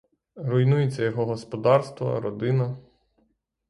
Руйнується його господарство, родина.